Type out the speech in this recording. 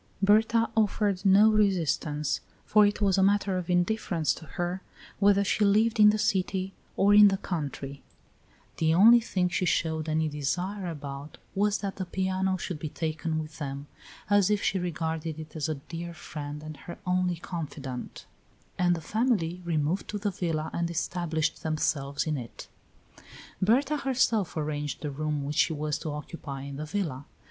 Berta offered no resistance, for it was a matter of indifference to her whether she lived in the city or in the country; the only thing she showed any desire about was that the piano should be taken with them, as if she regarded it as a dear friend and her only confidant; and the family removed to the villa and established themselves in it. Berta herself arranged the room which she was to occupy in the villa.